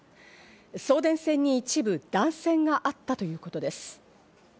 送電線に一部が断線があったということです。